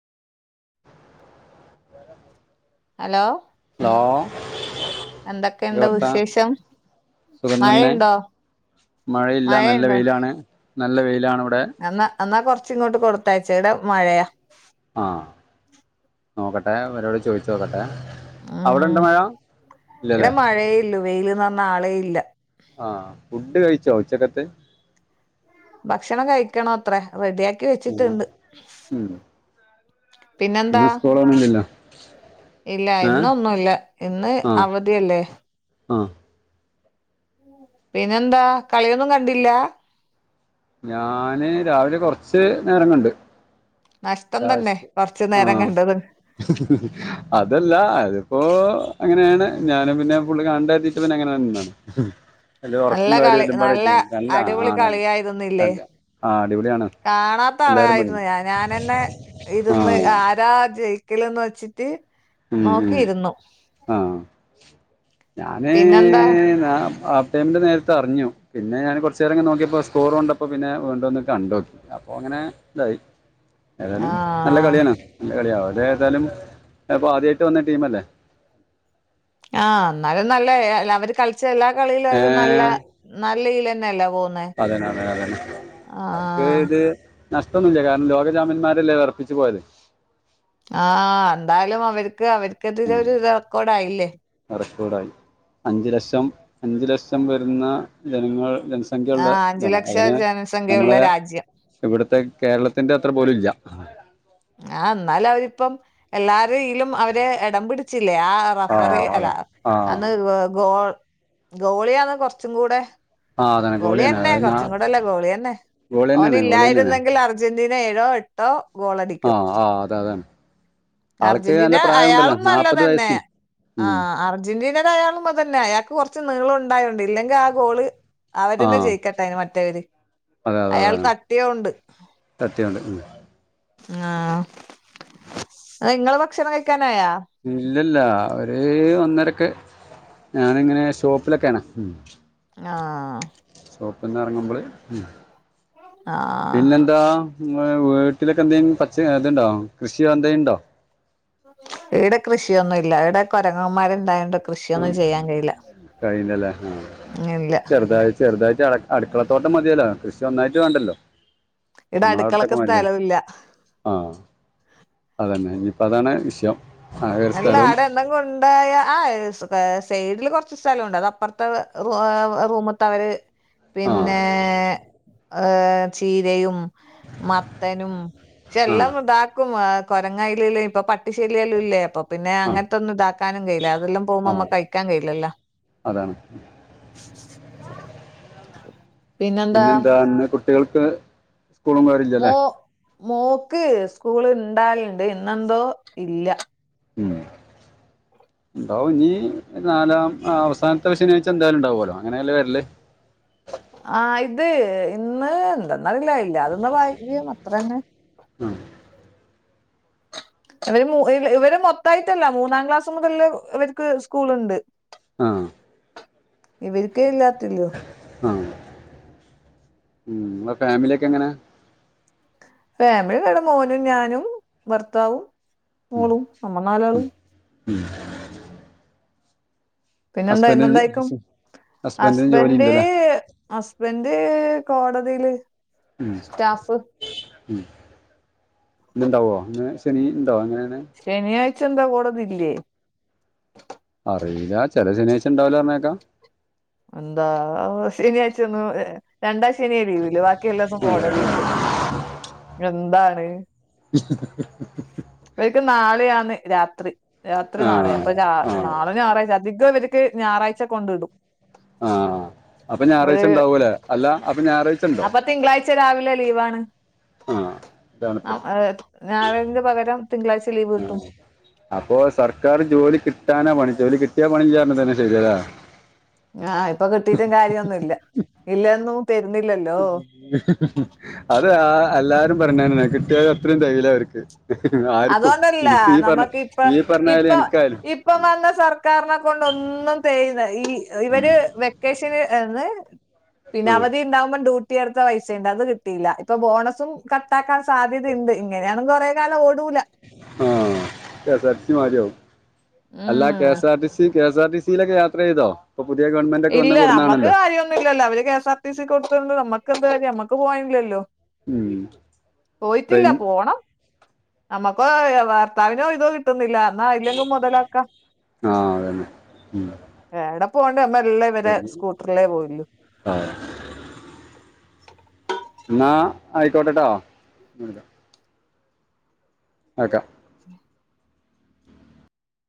Hello.. hello... എന്തെക്കെണ്ട് വർത്താനം വിശേഷം? സുഖം തന്നെ. മഴയുണ്ടോ മഴയില്ല, നല്ല മഴയുണ്ടോ വെയിലാണ്. നല്ല വെയിലാണ് വടെ. അന്നാ ഹന്ന് കൊറച്ച ഇങ്ങോട്ട് കൊടുത്തയച്ചടെ മഴയാ ആ നോക്കട്ടെ ഇവരോട് ചോയിചോക്കട്ടെ? ആഹ ഇവിടെ മഴയേള്ളു വെയില്ന്ന റഞ്ഞ ആളേ ഇല്ല ആ ഫുഡ് കഴിച്ചോ ഉച്ചക്കത്തെ? ഭക്ഷണം കഴിക്കണോത്ര റെഡിയാക്കി ഉം വെച്ചിട്ട്ണ്ട്. ഇന്ന് സ്കോളൊന്നും ഇല്ലല്ലോ ഇല്ല ഇന്നൊന്നുംല്ല ഇന്ന് അവധിയല്ലേ. ആ പിന്നെന്താ കളിയൊന്നും കണ്ടില്ല? ഞാന് രാവിലെ കൊറച്ച് നേരം കണ്ട്. നഷ്ടം തന്നെ ലാസ്റ്റ് കൊറച്ച് നേരം ആഹ് കണ്ടത് അതല്ല അതിപ്പോ അങ്ങനെയാണ്. ഞാനും പിന്നെ ഫുള്ള് കാണണ്ടരുതിട്ട് തന്നേ അങ്ങന നിന്നാണ് ഉം. ഹലോ നല്ല ഒറക്കും കാര്യം കളി എല്ലുമ്പാടെ നല്ല ആയിട്ടേ നല്ല ആ, അടിപൊളി ന, കളിയായിരുന്നില്ലേ അല്ല ആ അടിപൊളിയാണ്. കാണാത്ത എല്ലാരും ആളായിരുന്നു പറഞ്ഞു ഞൻ ഞാനന്നേ ഹേ ആ ഇരുന്ന് ആരാ ജയിക്കലന്ന് വെച്ചിട്ട് ഉം, ഉം. നോക്കിയിരുന്നു. ആ ഞാന്... പിന്നെന്താ? ഞ അ ചെന്റ് നേരത്തെ അറിഞ്ഞു. പിന്നെ ഞാന് കൊറചേരം ഇങ്ങനെ നോക്കിയപ്പോസ്കോർ കൊണ്ടപ്പോ പിന്നെ വീണ്ടോന്നു കണ്ടോക്കി അപ്പൊ അങ്ങനെതായി ഏതായാലും നല്ല ആഹ് കളിയാണ് നല്ല കളിയാ അവരെ ഏതാലും ഇപ്പൊ ആദ്യായിട്ട് വന്ന ടീം അല്ലേ. ആ ഇന്നാലും നല്ല അവര് കളിച്ച എല്ലാ കളിയിലും അവര് നല്ല ഏഹ് നല്ല ഈലന്നെല്ല പോ അതെന്നെ അതെന്നെ അതെന്നെ അക്ക് ആഹ് ഇത് നഷ്ടൊന്നുല്ല്യ കാരണം ലോകചാമ്പ്യന്മാരല്ലേ വെറപ്പിച്ചു പോയത്. ആ ന്തായാലും അവർക്ക് അവർക്കെതിരെ ഉം. ഒരു റെക്കോർഡ ആയില്ലേ? റെക്കോർഡായി അഞ്ചു ലക്ഷം അഞ്ചു ലക്ഷം വരുന്ന ജനങ്ങൾ ജൻസ്- സംഖ്യ ഉള്ള ആഹ് അഞ്ചു ഇതാണ് അങ്ങനെ ലക്ഷം ജനസംഖ്യയുള്ള ഞമ്മളെ രാജ്യം ഇവിടത്തെ കേരളത്തിന്റെ അത്ര പോലും ഇല്ല ആ ഇന്നാലും അവരിപ്പം എല്ലാരയ്യിലും അവര് ഇടം പിടിച്ചില്ലേ ആഹ് ആ റഫറി അല്ല അതെ ആ അന്ന് ഗോ ഗോൾ ഗോളിയാണ് കൊറച്ചും കൂടെ ആ അതാണ് ഗോളി തന്നെ ഗോളിയന്നെ അതായത് കുറച്ചും നാ- കൂടെല്ല ഗോളി യന്നെ ഗോളി ഓന് തന്നെയാണ് ഗോളി തന്നെയാണ് ഇല്ലായിരുന്നെങ്കിൽ അർ അർജന്റീന ഏഴോ എട്ടോ ഗോളടി ആഹ് ആഹ് അതെ അതാണ് ആൾക്ക് അർജന്റീന നല്ല പ്രായമുണ്ടല്ലോ അയാളും നാപ്പത് നല്ലതന്നെ വയസ്സും ഉം. ആഹ് അർ അർജന്റീനടെ അയാളും അത് തന്നെ അയാൾക്ക് കുറച്ച് നീളം ഉണ്ടായോണ്ട് ഇല്ലെങ്കി ആ ഗോള് ആ അവരന്നെ ജയിക്കട്ടെ മറ്റേവര് അയാൾ തട്ടിയോണ്ട് തട്ടിയോണ്ട് ആഹ് ഇങ്ങള് ഭക്ഷണം കഴിക്കാനായ ഇല്ലല്ല ഒരു ഒന്നരക്ക് ഞാനിങ്ങനെ ഷോപ്പിലൊക്കെ ആണ് ഉം ആഹ് ഷോപ്പ്ന്ന് എറങ്ങുമ്പള് ഉം ആഹ് പിന്നെന്താ ഉം വീട്ടിലൊക്കെ എന്തെങ്കും പച്ച ഇതുണ്ടോ കൃഷിയോ എന്തെ ഉണ്ടോ ഈടെ കൃഷിയൊന്നും ഇല്ല ഈടെ കൊരങ്ങന്മാര് ഇണ്ടായോണ്ട് ആ കഴില്ലല്ലേ ആഹ് ഇല്ല ചെറുതായി ചെറുതായിട്ട് അടു അടുക്കളത്തോട്ടം മതിയല്ലോ കൃഷി ഒന്നായിട്ട് വേണ്ടല്ലോ ഈടെ ഞമ്മള അവിടത്തൊക്കെ അടുക്കളക്ക് മേടിച്ചോ സ്ഥലവും ഇല്ല ആഹ് അതന്നെ ഇഞ്ഞിപ്പോ അതാണ് വിഷയം ആകെ ഒരു സ്ഥലവും അല്ലാഅടെ [inaudible] കൊണ്ടോയ ആഹ് സൈഡില് കുറച്ച് സ്ഥലംണ്ട് അത് അപ്പുറത്തെ റൂമ്ത്തവര് ആഹ് പിന്നേ ഏഹ് ചീരയും മത്തനും പക്ഷെ ആഹ് എല്ലാം ഇതാക്കും കൊരങ്ങായിലില്ലേ ഇപ്പൊ പട്ടിശലിയല്ലും ഇല്ലേ അപ്പൊ പിന്നെ ആഹ് അങ്ങനത്തെ ഒന്നും ഇതാക്കാനും കഴിയില്ല അതെല്ലാം പോകുമ്പോ ആഹ് നമ്മക്ക് കഴിക്കാൻ കഴിയില്ലല്ലോ അതാണ് [inaudible] പിന്നെന്താ ഇന്ന് കുട്ടികൾക്ക് സ്കൂളും മോ കാര്യമില്ലല്ലേ മോക്ക് സ്കൂള് ഇണ്ടാകലുണ്ട് ഇന്നെന്തോ ഇല്ല ഉം ഇണ്ടാവും ഇനഞ്ഞി നാലാം അവസാനത്തെ ശനിയാഴ്‌ച്ച എന്തായാലും ഉണ്ടാവോലോ അങ്ങനെയല്ല വരല് ആഹ് ഇത് ഇന്ന് എന്താെന്നറില്ല ഇല്ല [unintelligible] അത്രന്നെ ആഹ് [inaudible] ഇവര് മൂ ല്ല ഇവര് മൊത്തായിട്ടല്ല മൂന്നാം ക്ലാസ് മുതല് ഇവർക്ക് സ്കൂളുണ്ട് ആഹ് ഇവർക്കേ ഇല്ലാത്തില്ലോ ആഹ് ഇങ്ങളെ ഫാമിലിയൊക്കെ എങ്ങനെ ഫാമിലി [unintelligible] മോനും ഞാനും ഭർത്താവും മോളും നമ്മൾ നാലാളും മ് പിന്നെന്താ ഹസ്ബൻഡിന് ഇന്നെന്തായ്ക്കും ഹസ്ബൻഡിന് ജോലി ഹസ്ബന്റ് ഉണ്ടല്ലേ ഹസ്ബന്റ് കോടതീല് ഉം ഉം ഇന്ന് ഇണ്ടാവോ ഇന്ന് ശനി ഉണ്ടോ എങ്ങനെയാണ് ശനിയാഴ്ച എന്താ കോടതില്ലേ അറീല ചെല ശനിയാഴ്ച ഇണ്ടാവൂല പറീണേക്ക എന്താ ശനിയാഴ്‌ച ഒന്നും ഏഹ് രണ്ടാം ശനിയ ലീവ് ബാക്കി എല്ലാസോം കോടതിണ്ട് എന്താണ് [inaudible] ഇവെര്ക്ക് നാളെയാണ് രാത്രി രാത്രി ആ നാളെ അപ്പൊ ആ നാളെ ഞായറെയ്ക്കാരം. അതികവര്ക്ക് ഞായറാഴ്ച കൊണ്ട് വിടും. ആഹ് അപ്പ ഞായറാഴ്ച ഉണ്ടാവൂലെ അല്ല അപ്പ ഞായറാഴ്ച ഉണ്ടോ അപ്പ തിങ്കളാഴ്ച രാവിലെ ലീവാണ് ആ ഇതാണ് അ ഇപ്പൊ. ഏ ഞായർന്റെ പകരം തിങ്കളാഴ്ച ലീവ് കിട്ടും അപ്പൊ സർക്കാറ് ജോലി കിട്ടാനാ പണി ജോലി കിട്ടിയ പണില്ലാതന്നെ ശെരില്ലെ ആഹ് ഇപ്പ കിട്ടിട്ടും കാര്യൊന്നുല്ല ഇല്ലാന്നും തരുന്നില്ലല്ലോ അത് ആഹ് എല്ലാരും പറയണെന്നെ കിട്ടിയാലും അത്രേം തെകീലവർക്ക് അതൊണ്ടല്ല നമ്മക്കിപ്പോ ഈ പറഞ്ഞാലും ഇപ്പം എനിക്കായാലും ഇപ്പമന്ന സർക്കാരിനെകൊണ്ടൊന്നും തെയില്ല ഇ ഇവര് വെ വെക്കേഷന് [unintelligible] പിന്നെ ആ അവധി ഉണ്ടാവുമ്പോ ടൂ ട്ടി എടുത്ത പൈസ ണ്ട് അത് കിട്ടിയില്ല ഇപ്പൊ ബോണസും കട്ടാക്കാൻ സാധ്യതണ്ട് ഇങ്ങനെണെങ്കി കൊറേ കാലോട്ടി ട്ടൂല ആഹ് K S R T C മാര്യാവും അല്ല കെ ഉം സാ ആർ ടി സി കെസാർടീസിലൊക്കെ യാത്രെയ്തോ? ഇപ്പ പുത്യേ ഗവൺ ഇല്ല ഞമ്മക്ക് കാര്യോന്നുല്ലല്ലോ അവര് K S R T C കൊട്ത്തോണ്ട് ഞമ്മക്കെന്ത്‌ കാര്യം ഞമ്മക്ക് പോവാനില്ലല്ലോ? ഉം. പോയിറ്റില്ല ട്രെയിൻ പോണം ഞമ്മക്കോ ബർത്താവിന് ഒഴിവ് കിട്ട് കിട്ടുന്നില്ല ന്നാ ഐലങ്ക് മൊതലാക്ക ആ അതന്നെ ഉം. ഏടെ പോ ലെ മെല്ലെവരെ സ്കൂട്ടറിലേ പോയൊള്ളു ആഹാ ന്നാ ആയിക്കോട്ടെട്ടോ ആക്കാ